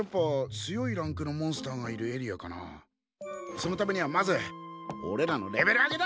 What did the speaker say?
そのためにはまずおれらのレベル上げだ！